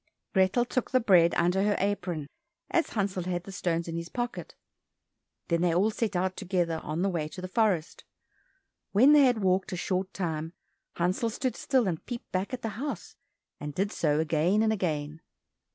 Grethel took the bread under her apron, as Hansel had the stones in his pocket. Then they all set out together on the way to the forest. When they had walked a short time, Hansel stood still and peeped back at the house, and did so again and again.